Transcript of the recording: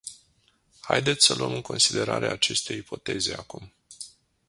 Haideți să luăm în considerare aceste ipoteze acum.